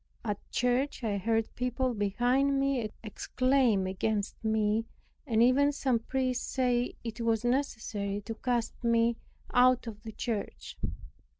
At church I heard people behind me exclaim against me, and even some priests say it was necessary to cast me out of the church.